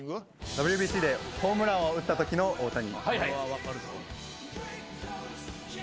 ＷＢＣでホームランを打ったときの大谷。